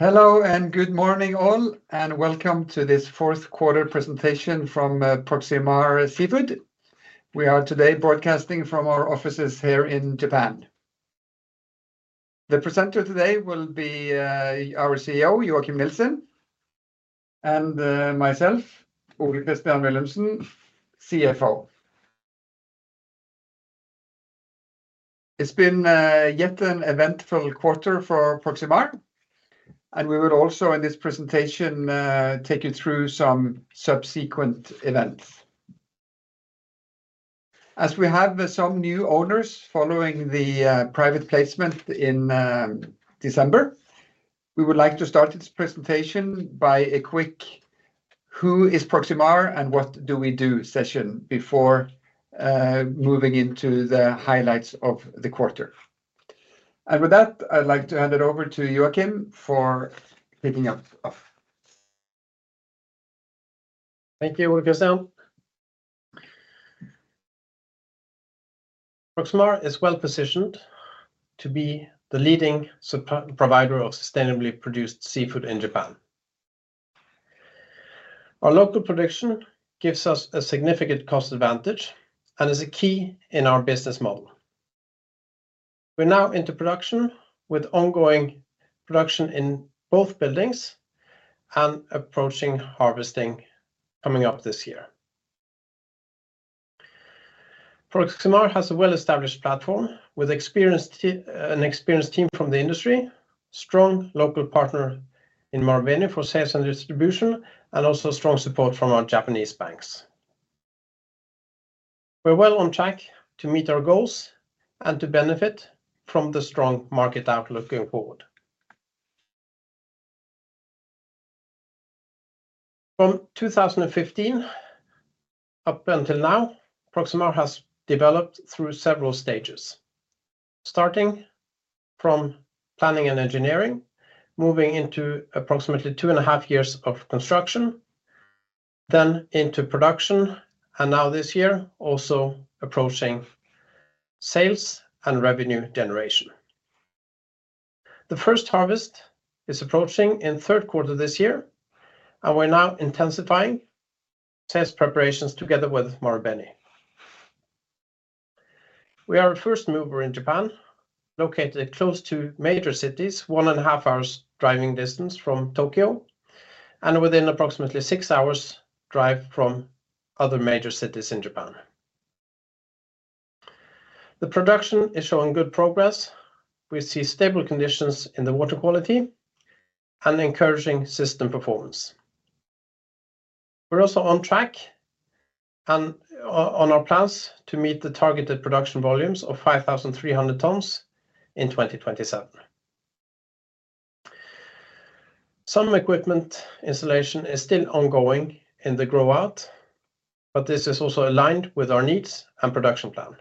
Hello and good morning all, and welcome to this fourth quarter presentation from Proximar Seafood. We are today broadcasting from our offices here in Japan. The presenter today will be our CEO, Joachim Nielsen, and myself, Ole Christian Willumsen, CFO. It's been yet an eventful quarter for Proximar, and we will also in this presentation take you through some subsequent events. As we have some new owners following the private placement in December, we would like to start this presentation by a quick "Who is Proximar and what do we do?" session before moving into the highlights of the quarter. With that, I'd like to hand it over to Joachim for picking up. Thank you, Ole Christian. Proximar is well positioned to be the leading provider of sustainably produced seafood in Japan. Our local production gives us a significant cost advantage and is a key in our business model. We're now into production with ongoing production in both buildings and approaching harvesting coming up this year. Proximar has a well-established platform with an experienced team from the industry, a strong local partner in Marubeni for sales and distribution, and also strong support from our Japanese banks. We're well on track to meet our goals and to benefit from the strong market outlook going forward. From 2015 up until now, Proximar has developed through several stages, starting from planning and engineering, moving into approximately two and a half years of construction, then into production, and now this year also approaching sales and revenue generation. The first harvest is approaching in the third quarter this year, and we're now intensifying sales preparations together with Marubeni. We are a first mover in Japan, located close to major cities, one and a half hours' driving distance from Tokyo, and within approximately six hours' drive from other major cities in Japan. The production is showing good progress. We see stable conditions in the water quality and encouraging system performance. We're also on track and on our plans to meet the targeted production volumes of 5,300 tons in 2027. Some equipment installation is still ongoing in the grow-out, but this is also aligned with our needs and production plan.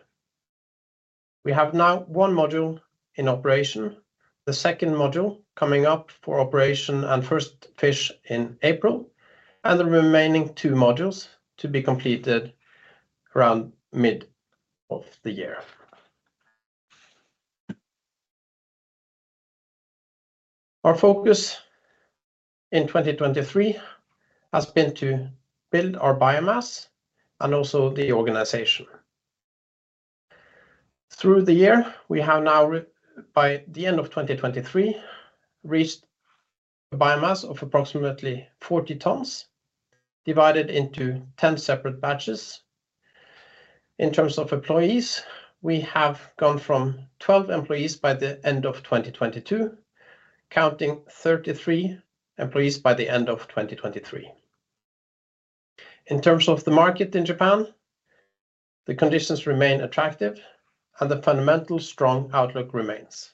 We have now one module in operation, the second module coming up for operation and first fish in April, and the remaining two modules to be completed around mid of the year. Our focus in 2023 has been to build our biomass and also the organization. Through the year, we have now, by the end of 2023, reached a biomass of approximately 40 tons, divided into 10 separate batches. In terms of employees, we have gone from 12 employees by the end of 2022, counting 33 employees by the end of 2023. In terms of the market in Japan, the conditions remain attractive, and the fundamental strong outlook remains.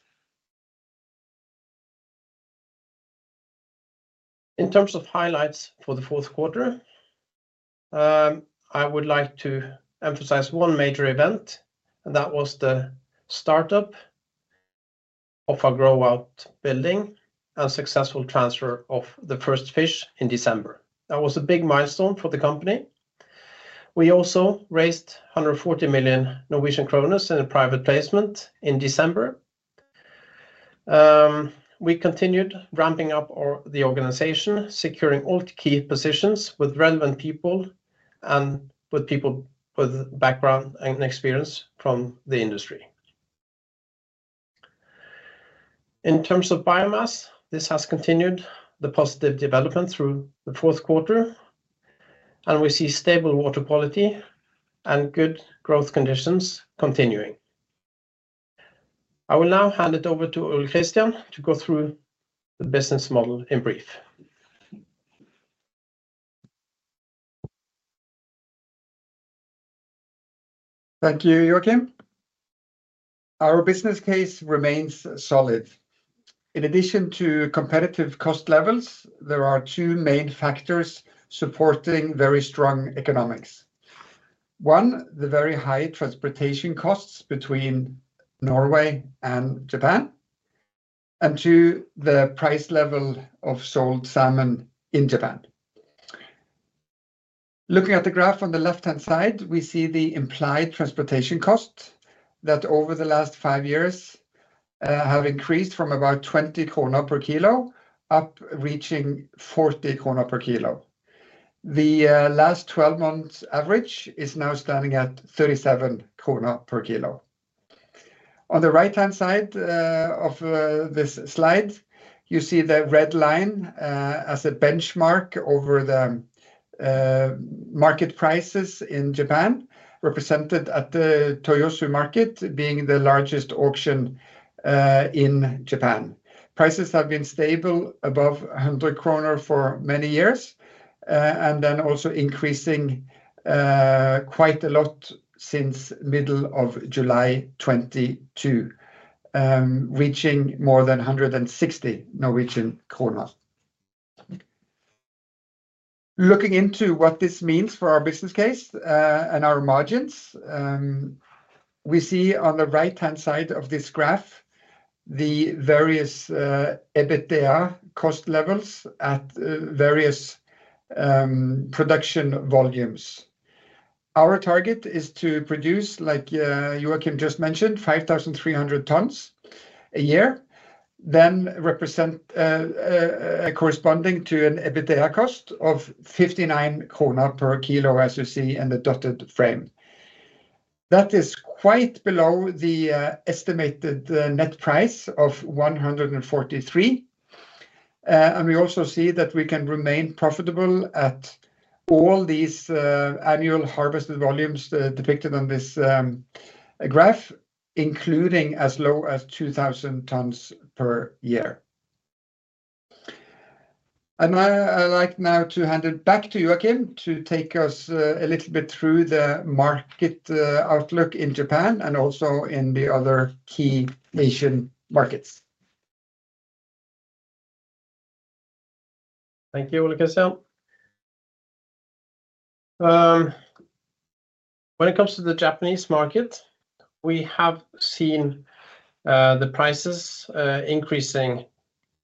In terms of highlights for the fourth quarter, I would like to emphasize one major event, and that was the startup of our grow-out building and successful transfer of the first fish in December. That was a big milestone for the company. We also raised 140 million Norwegian kroner in a private placement in December. We continued ramping up the organization, securing all key positions with relevant people and with people with background and experience from the industry. In terms of biomass, this has continued the positive development through the fourth quarter, and we see stable water quality and good growth conditions continuing. I will now hand it over to Ole Christian to go through the business model in brief. Thank you, Joachim. Our business case remains solid. In addition to competitive cost levels, there are two main factors supporting very strong economics. One, the very high transportation costs between Norway and Japan, and two, the price level of sold salmon in Japan. Looking at the graph on the left-hand side, we see the implied transportation costs that over the last five years have increased from about 20 krone per kilo up reaching 40 krone per kilo. The last 12-month average is now standing at 37 krone per kilo. On the right-hand side of this slide, you see the red line as a benchmark over the market prices in Japan, represented at the Toyosu Market being the largest auction in Japan. Prices have been stable above 100 kroner for many years and then also increasing quite a lot since middle of July 2022, reaching more than 160 NOK. Looking into what this means for our business case and our margins, we see on the right-hand side of this graph the various EBITDA cost levels at various production volumes. Our target is to produce, like Joachim just mentioned, 5,300 tons a year, then corresponding to an EBITDA cost of 59 kroner per kilo, as you see in the dotted frame. That is quite below the estimated net price of 143 NOK. And we also see that we can remain profitable at all these annual harvested volumes depicted on this graph, including as low as 2,000 tons per year. And I'd like now to hand it back to Joachim to take us a little bit through the market outlook in Japan and also in the other key Asian markets. Thank you, Ole Christian. When it comes to the Japanese market, we have seen the prices increasing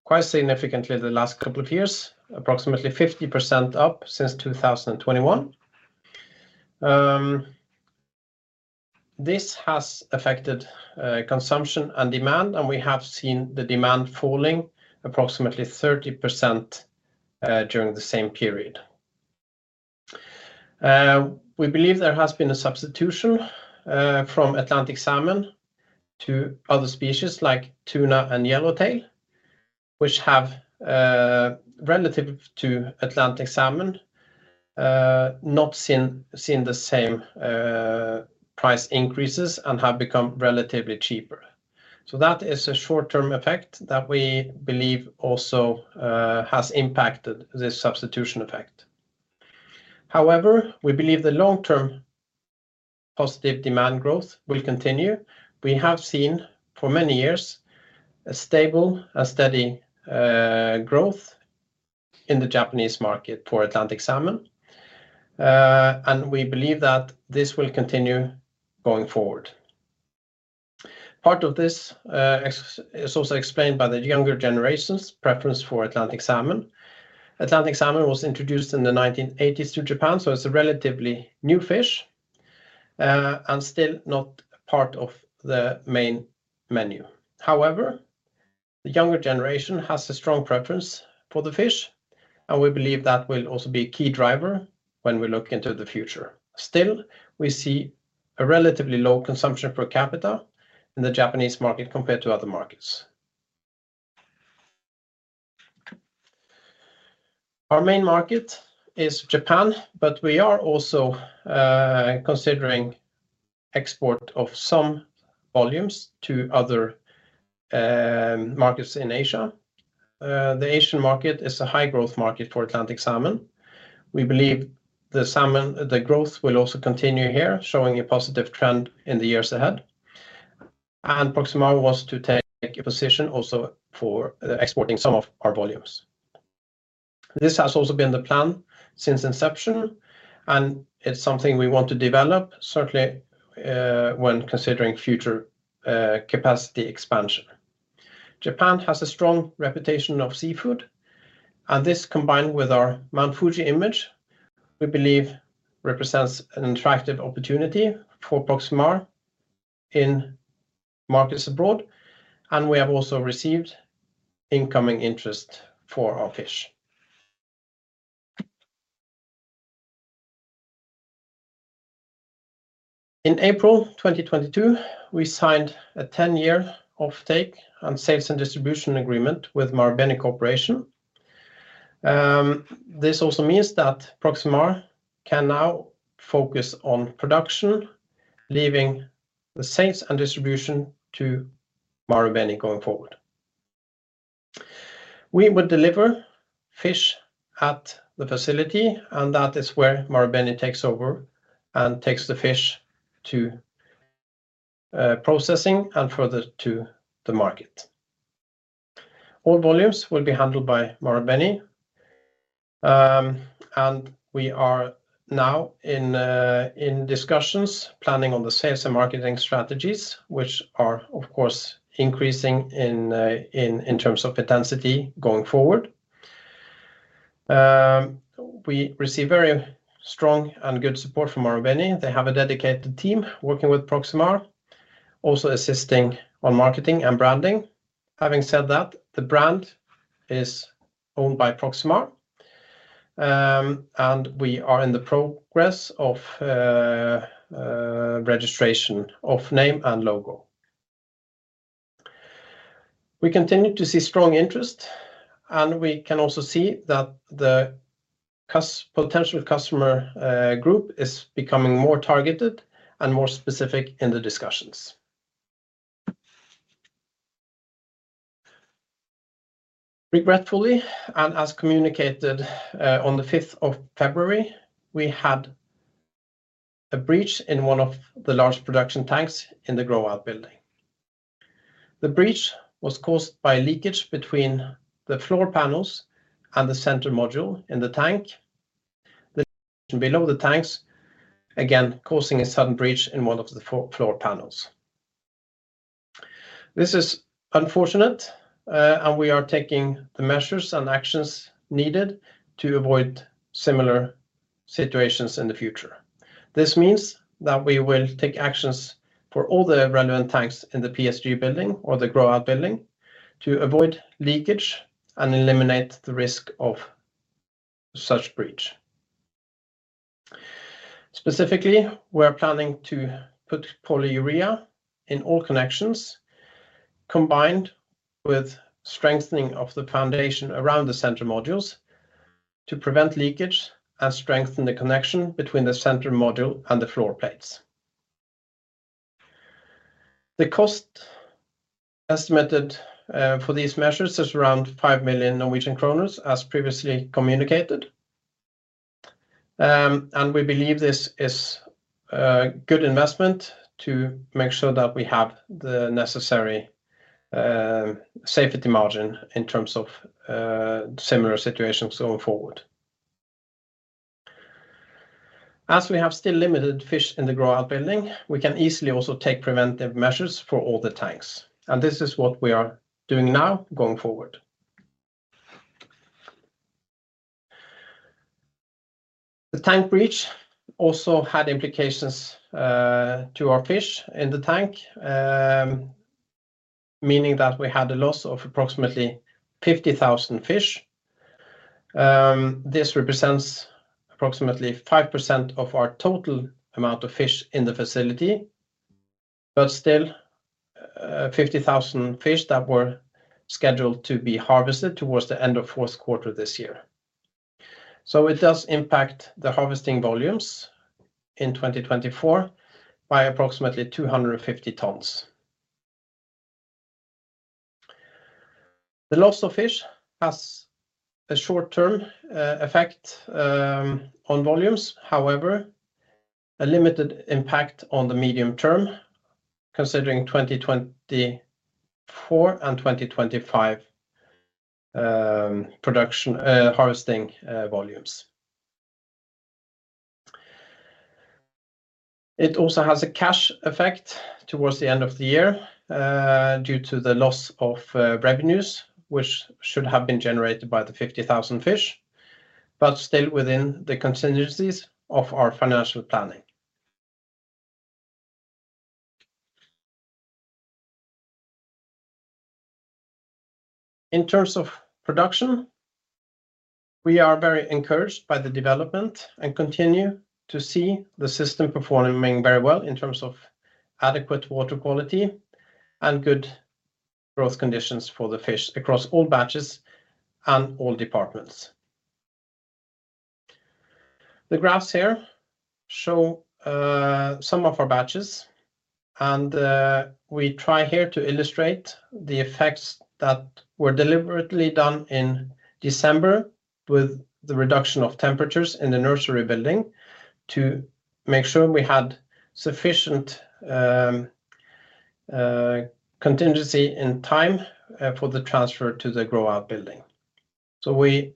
quite significantly the last couple of years, approximately 50% up since 2021. This has affected consumption and demand, and we have seen the demand falling approximately 30% during the same period. We believe there has been a substitution from Atlantic salmon to other species like tuna and yellowtail, which have, relative to Atlantic salmon, not seen the same price increases and have become relatively cheaper. So that is a short-term effect that we believe also has impacted this substitution effect. However, we believe the long-term positive demand growth will continue. We have seen for many years a stable and steady growth in the Japanese market for Atlantic salmon, and we believe that this will continue going forward. Part of this is also explained by the younger generation's preference for Atlantic salmon. Atlantic salmon was introduced in the 1980s to Japan, so it's a relatively new fish and still not part of the main menu. However, the younger generation has a strong preference for the fish, and we believe that will also be a key driver when we look into the future. Still, we see a relatively low consumption per capita in the Japanese market compared to other markets. Our main market is Japan, but we are also considering export of some volumes to other markets in Asia. The Asian market is a high-growth market for Atlantic salmon. We believe the growth will also continue here, showing a positive trend in the years ahead. Proximar wants to take a position also for exporting some of our volumes. This has also been the plan since inception, and it's something we want to develop, certainly when considering future capacity expansion. Japan has a strong reputation of seafood, and this combined with our Mount Fuji image, we believe, represents an attractive opportunity for Proximar in markets abroad, and we have also received incoming interest for our fish. In April 2022, we signed a 10-year offtake and sales and distribution agreement with Marubeni Corporation. This also means that Proximar can now focus on production, leaving the sales and distribution to Marubeni going forward. We would deliver fish at the facility, and that is where Marubeni takes over and takes the fish to processing and further to the market. All volumes will be handled by Marubeni. We are now in discussions, planning on the sales and marketing strategies, which are, of course, increasing in terms of intensity going forward. We receive very strong and good support from Marubeni. They have a dedicated team working with Proximar, also assisting on marketing and branding. Having said that, the brand is owned by Proximar, and we are in the progress of registration of name and logo. We continue to see strong interest, and we can also see that the potential customer group is becoming more targeted and more specific in the discussions. Regretfully, and as communicated on the 5th of February, we had a breach in one of the large production tanks in the grow-out building. The breach was caused by leakage between the floor panels and the center module in the tank, the section below the tanks, again causing a sudden breach in one of the floor panels. This is unfortunate, and we are taking the measures and actions needed to avoid similar situations in the future. This means that we will take actions for all the relevant tanks in the PSG building or the grow-out building to avoid leakage and eliminate the risk of such breach. Specifically, we are planning to put polyurea in all connections, combined with strengthening of the foundation around the center modules to prevent leakage and strengthen the connection between the center module and the floor plates. The cost estimated for these measures is around 5 million Norwegian kroner, as previously communicated. We believe this is a good investment to make sure that we have the necessary safety margin in terms of similar situations going forward. As we have still limited fish in the grow-out building, we can easily also take preventive measures for all the tanks. This is what we are doing now going forward. The tank breach also had implications to our fish in the tank, meaning that we had a loss of approximately 50,000 fish. This represents approximately 5% of our total amount of fish in the facility, but still 50,000 fish that were scheduled to be harvested towards the end of fourth quarter this year. It does impact the harvesting volumes in 2024 by approximately 250 tons. The loss of fish has a short-term effect on volumes, however, a limited impact on the medium term, considering 2024 and 2025 harvesting volumes. It also has a cash effect towards the end of the year due to the loss of revenues, which should have been generated by the 50,000 fish, but still within the contingencies of our financial planning. In terms of production, we are very encouraged by the development and continue to see the system performing very well in terms of adequate water quality and good growth conditions for the fish across all batches and all departments. The graphs here show some of our batches, and we try here to illustrate the effects that were deliberately done in December with the reduction of temperatures in the nursery building to make sure we had sufficient contingency in time for the transfer to the grow-out building. So we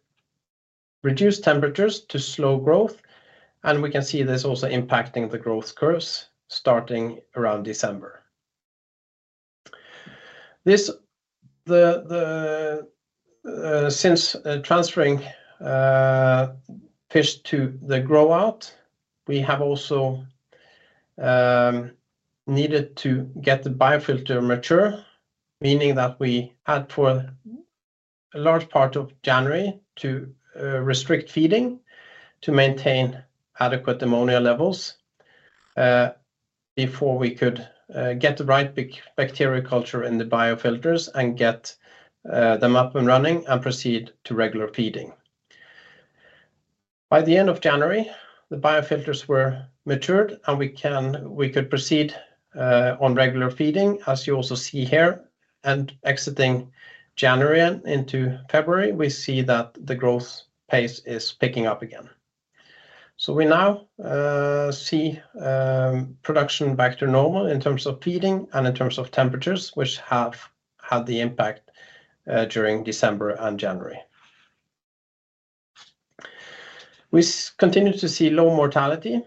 reduced temperatures to slow growth, and we can see this also impacting the growth curves starting around December. Since transferring fish to the grow-out, we have also needed to get the biofilter mature, meaning that we had for a large part of January to restrict feeding to maintain adequate ammonia levels before we could get the right bacterial culture in the biofilters and get them up and running and proceed to regular feeding. By the end of January, the biofilters were matured, and we could proceed on regular feeding, as you also see here. And exiting January into February, we see that the growth pace is picking up again. So we now see production back to normal in terms of feeding and in terms of temperatures, which have had the impact during December and January. We continue to see low mortality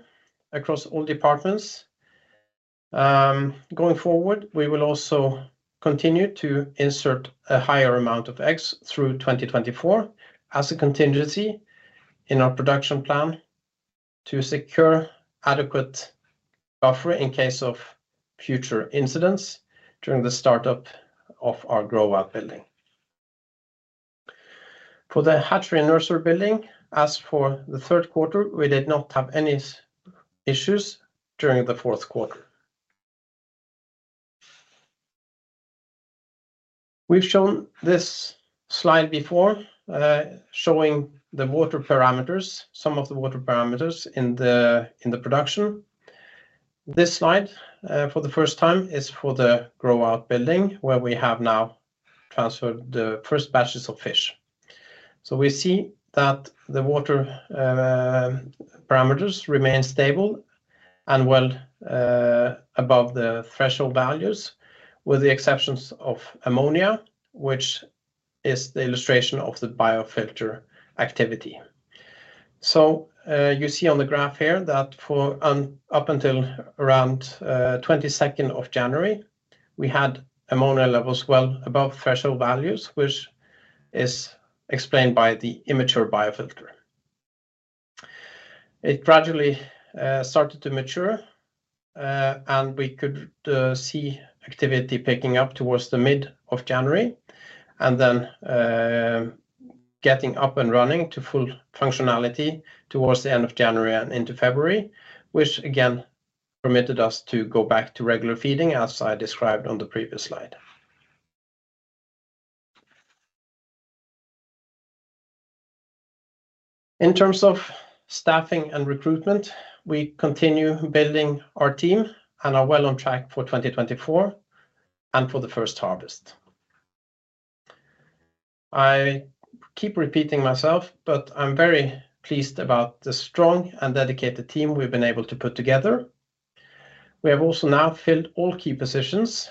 across all departments. Going forward, we will also continue to insert a higher amount of eggs through 2024 as a contingency in our production plan to secure adequate buffering in case of future incidents during the startup of our grow-out building. For the hatchery and nursery building, as for the third quarter, we did not have any issues during the fourth quarter. We've shown this slide before showing the water parameters, some of the water parameters in the production. This slide, for the first time, is for the grow-out building where we have now transferred the first batches of fish. So we see that the water parameters remain stable and well above the threshold values, with the exceptions of ammonia, which is the illustration of the biofilter activity. You see on the graph here that up until around 22nd of January, we had ammonia levels well above threshold values, which is explained by the immature biofilter. It gradually started to mature, and we could see activity picking up towards the mid of January and then getting up and running to full functionality towards the end of January and into February, which again permitted us to go back to regular feeding, as I described on the previous slide. In terms of staffing and recruitment, we continue building our team and are well on track for 2024 and for the first harvest. I keep repeating myself, but I'm very pleased about the strong and dedicated team we've been able to put together. We have also now filled all key positions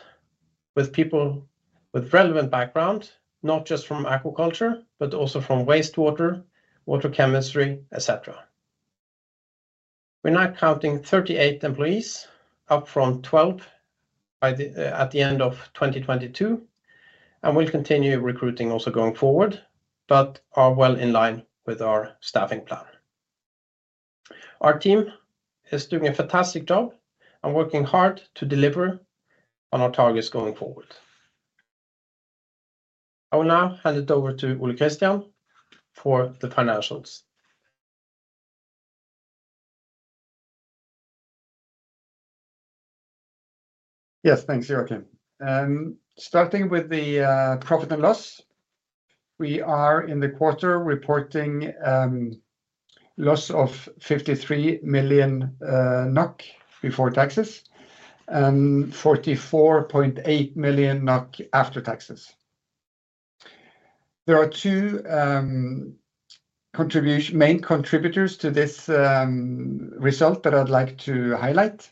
with people with relevant background, not just from aquaculture, but also from wastewater, water chemistry, etc. We're now counting 38 employees, up from 12 at the end of 2022, and we'll continue recruiting also going forward, but are well in line with our staffing plan. Our team is doing a fantastic job and working hard to deliver on our targets going forward. I will now hand it over to Ole Christian for the financials. Yes, thanks, Joachim. Starting with the profit and loss, we are in the quarter reporting loss of 53 million NOK before taxes and 44.8 million NOK after taxes. There are two main contributors to this result that I'd like to highlight.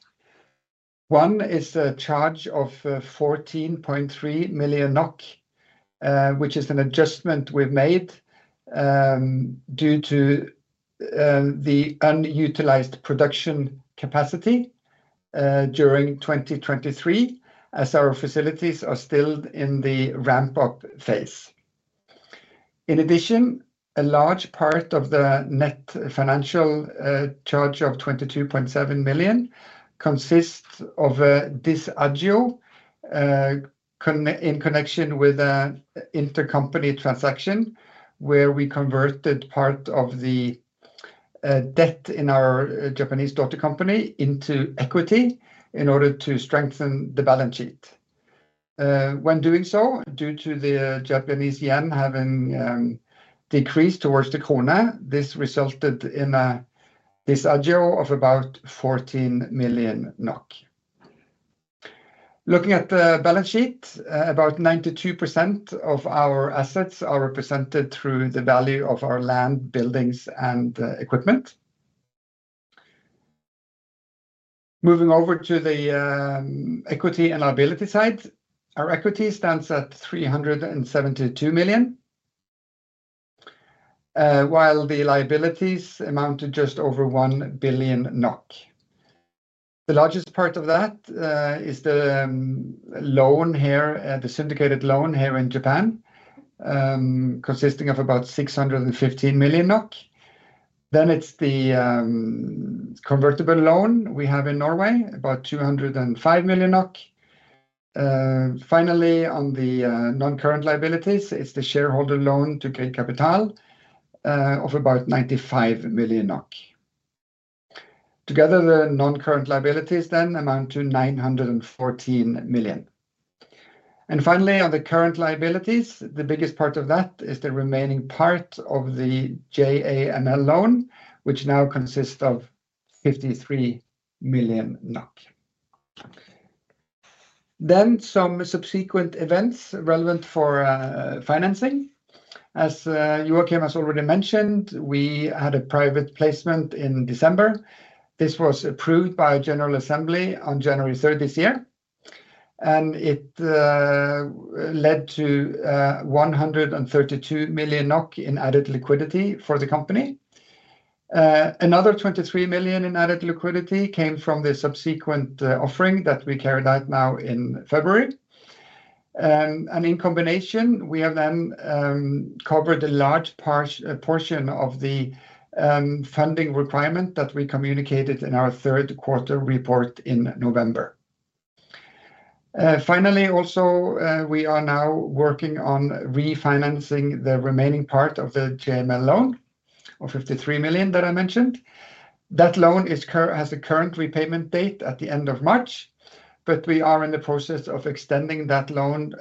One is a charge of 14.3 million NOK, which is an adjustment we've made due to the unutilized production capacity during 2023, as our facilities are still in the ramp-up phase. In addition, a large part of the net financial charge of 22.7 million consists of a disagio in connection with an intercompany transaction where we converted part of the debt in our Japanese daughter company into equity in order to strengthen the balance sheet. When doing so, due to the Japanese yen having decreased towards the krone, this resulted in a disagio of about 14 million NOK. Looking at the balance sheet, about 92% of our assets are represented through the value of our land, buildings, and equipment. Moving over to the equity and liability side, our equity stands at 372 million, while the liabilities amount to just over 1 billion NOK. The largest part of that is the syndicated loan here in Japan, consisting of about 615 million NOK. Then it's the convertible loan we have in Norway, about 205 million NOK. Finally, on the non-current liabilities, it's the shareholder loan to Grieg Kapital of about 95 million NOK. Together, the non-current liabilities then amount to 914 million. Finally, on the current liabilities, the biggest part of that is the remaining part of the JAML loan, which now consists of 53 million NOK. Some subsequent events relevant for financing. As Joachim has already mentioned, we had a private placement in December. This was approved by a general assembly on January 3rd this year, and it led to 132 million NOK in added liquidity for the company. Another 23 million in added liquidity came from the subsequent offering that we carried out now in February. And in combination, we have then covered a large portion of the funding requirement that we communicated in our third quarter report in November. Finally, also, we are now working on refinancing the remaining part of the JAML loan of 53 million that I mentioned. That loan has a current repayment date at the end of March, but we are in the process of extending that loan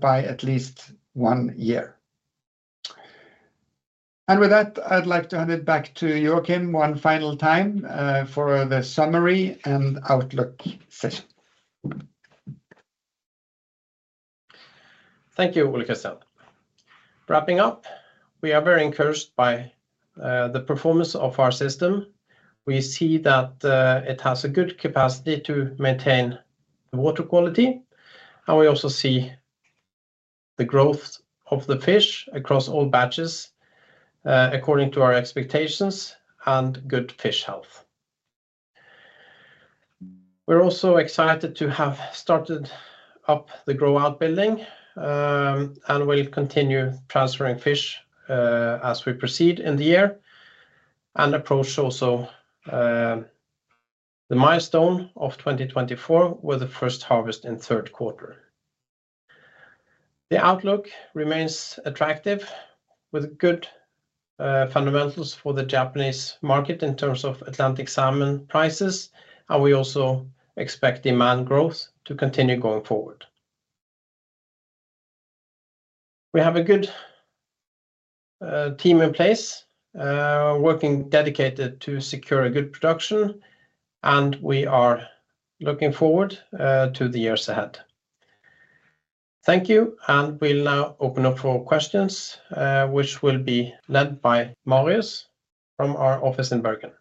by at least one year. And with that, I'd like to hand it back to Joachim one final time for the summary and outlook session. Thank you, Ole Christian. Wrapping up, we are very encouraged by the performance of our system. We see that it has a good capacity to maintain the water quality, and we also see the growth of the fish across all batches according to our expectations and good fish health. We're also excited to have started up the grow-out building and will continue transferring fish as we proceed in the year and approach also the milestone of 2024 with the first harvest in third quarter. The outlook remains attractive with good fundamentals for the Japanese market in terms of Atlantic salmon prices, and we also expect demand growth to continue going forward. We have a good team in place working dedicated to secure a good production, and we are looking forward to the years ahead. Thank you, and we'll now open up for questions, which will be led by Marius from our office in Bergen.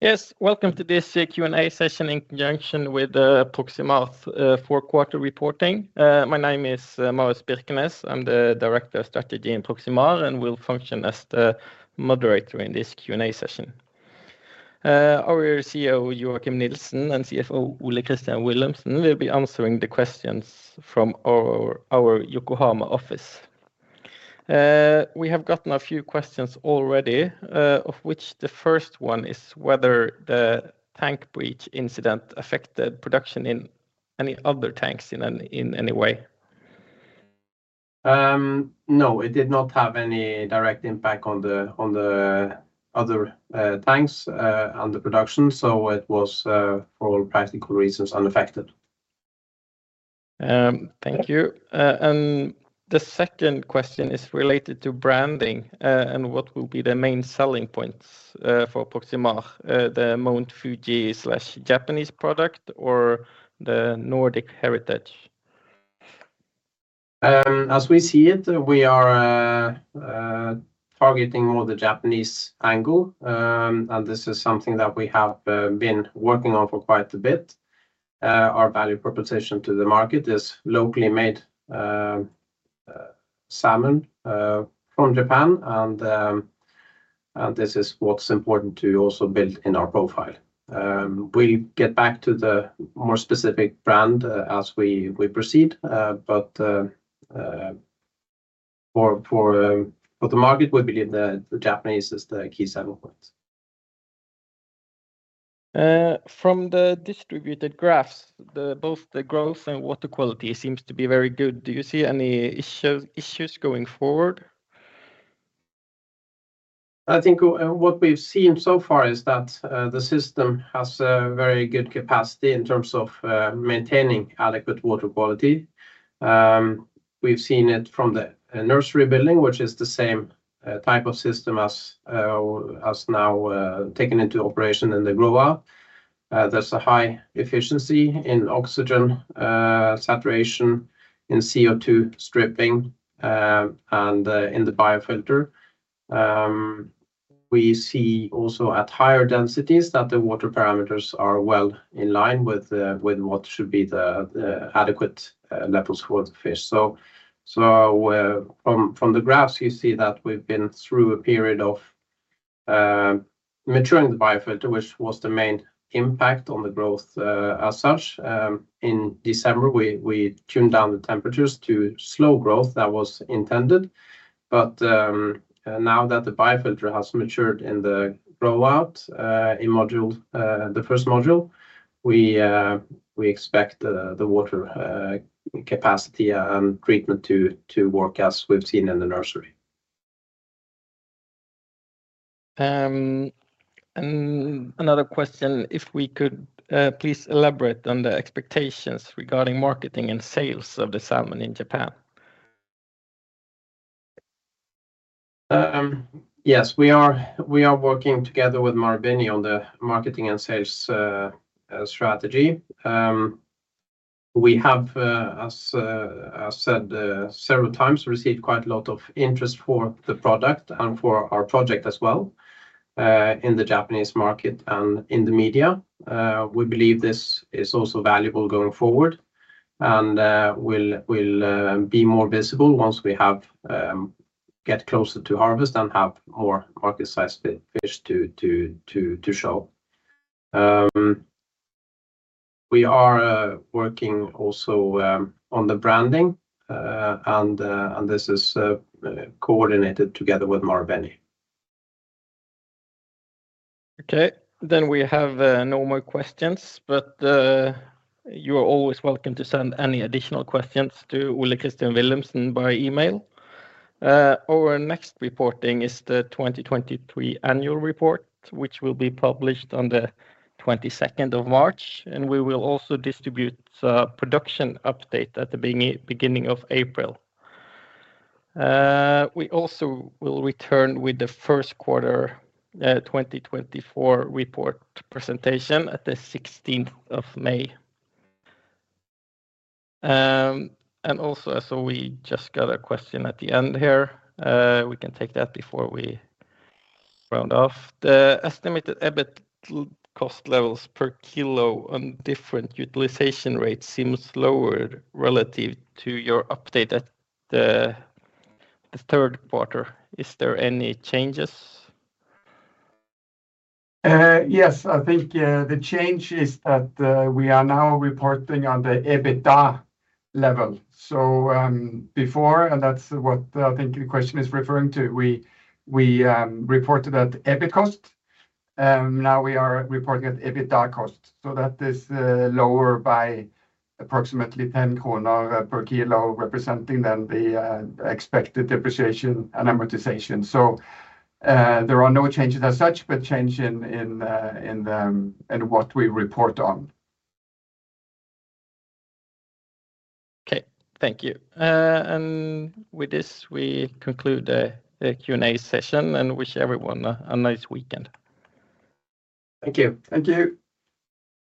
Yes, welcome to this Q&A session in conjunction with Proximar's four-quarter reporting. My name is Marius Birkenes. I'm the Director of Strategy in Proximar, and we'll function as the moderator in this Q&A session. Our CEO, Joachim Nielsen, and CFO, Ole Christian Willumsen, will be answering the questions from our Yokohama office. We have gotten a few questions already, of which the first one is whether the tank breach incident affected production in any other tanks in any way. No, it did not have any direct impact on the other tanks and the production, so it was for all practical reasons unaffected. Thank you. The second question is related to branding and what will be the main selling points for Proximar, the Mount Fuji/Japanese product or the Nordic heritage? As we see it, we are targeting more the Japanese angle, and this is something that we have been working on for quite a bit. Our value proposition to the market is locally made salmon from Japan, and this is what's important to also build in our profile. We'll get back to the more specific brand as we proceed, but for the market, we believe that the Japanese is the key selling point. From the distributed graphs, both the growth and water quality seem to be very good. Do you see any issues going forward? I think what we've seen so far is that the system has very good capacity in terms of maintaining adequate water quality. We've seen it from the nursery building, which is the same type of system as now taken into operation in the grow-out. There's a high efficiency in oxygen saturation, in CO2 stripping, and in the biofilter. We see also at higher densities that the water parameters are well in line with what should be the adequate levels for the fish. From the graphs, you see that we've been through a period of maturing the biofilter, which was the main impact on the growth as such. In December, we tuned down the temperatures to slow growth. That was intended. Now that the biofilter has matured in the grow-out in the first module, we expect the water capacity and treatment to work as we've seen in the Nursery. Another question, if we could please elaborate on the expectations regarding marketing and sales of the salmon in Japan? Yes, we are working together with Marubeni on the marketing and sales strategy. We have, as said several times, received quite a lot of interest for the product and for our project as well in the Japanese market and in the media. We believe this is also valuable going forward and will be more visible once we get closer to harvest and have more market-sized fish to show. We are working also on the branding, and this is coordinated together with Marubeni. Okay, then we have no more questions, but you are always welcome to send any additional questions to Ole Christian Willumsen by email. Our next reporting is the 2023 annual report, which will be published on the 22nd of March, and we will also distribute a production update at the beginning of April. We also will return with the first quarter 2024 report presentation at the 16th of May. And also, so we just got a question at the end here. We can take that before we round off. The estimated EBIT cost levels per kilo on different utilization rates seem slower relative to your update at the third quarter. Is there any changes? Yes, I think the change is that we are now reporting on the EBITDA level. So before, and that's what I think the question is referring to, we reported at EBIT cost. Now we are reporting at EBITDA cost. So that is lower by approximately 10 kroner per kilo representing then the expected depreciation and amortization. So there are no changes as such, but change in what we report on. Okay, thank you. And with this, we conclude the Q&A session and wish everyone a nice weekend. Thank you. Thank you.